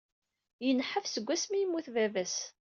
Yenḥaf seg wasmi yemmut baba-s.